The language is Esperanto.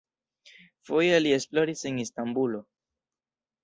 Foje li esploris en Istanbulo.